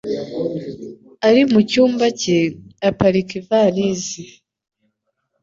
ari mucyumba cye, apakira ivalisi.